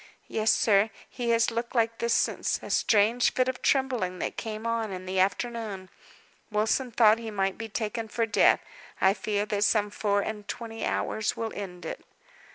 "Yes, sir. He has looked like this since a strange fit of trembling that came on in the afternoon. Wilson thought he might be taken for death. I fear that some four and twenty hours will end it."